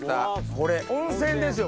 これ温泉ですよ